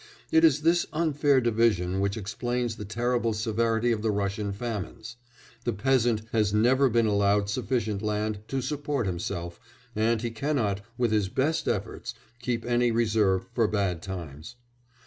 It is this unfair division which explains the terrible severity of the Russian famines; the peasant has never been allowed sufficient land to support himself, and he cannot, with his best efforts, keep any reserve for bad times.